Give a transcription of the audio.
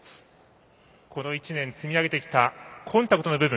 この１年、積み上げてきたコンタクトの部分。